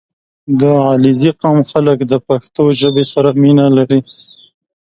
• د علیزي قوم خلک د پښتو ژبې سره مینه لري.